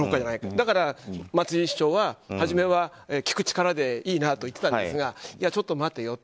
だから、松井市長ははじめは聞く力でいいなと言っていたんですがちょっと待てよと。